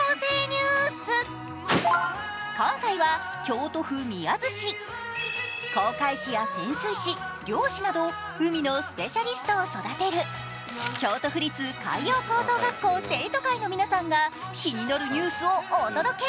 今回は京都府宮津市、航海士や潜水士、漁師など海のスペシャリストを育てる京都府立海洋高校の生徒会の皆さんが気になるニュースをお届け。